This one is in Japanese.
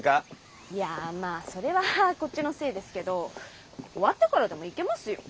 いやまあそれはこっちのせいですけどォ終わってからでも行けますよ。